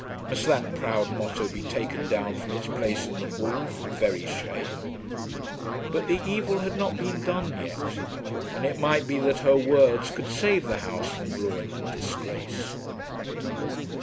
Must that proud motto be taken down from its place in the hall from very shame? But the evil had not been done yet, and it might be that her words could save the house from ruin and disgrace.